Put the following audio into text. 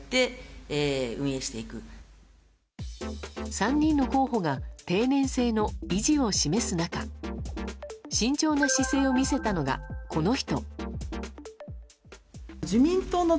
３人の候補が定年制の維持を示す中慎重な姿勢を見せたのが、この人。